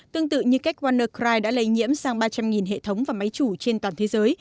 tương tự như cách wanercride đã lây nhiễm sang ba trăm linh hệ thống và máy chủ trên toàn thế giới